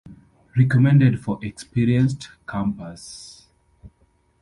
Recommended for experienced campers.